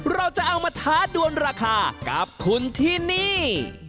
เราจะเอามาท้าดวนราคากับคุณที่นี่